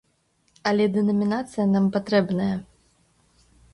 Але дэнамінацыя нам патрэбная.